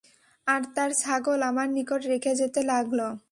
আর তার ছাগল আমার নিকট রেখে যেতে লাগল।